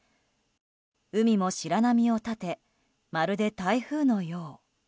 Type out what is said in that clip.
海も白波を立てまるで台風のよう。